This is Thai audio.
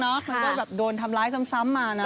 ไม่ว่าแบบโดนทำลายซ้ำมานะ